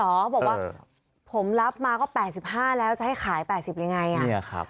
บอกว่าผมรับมาก็๘๕แล้วจะให้ขาย๘๐ยังไง